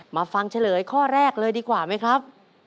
มาฟังเฉลยข้อแรกเลยดีกว่าไหมครับ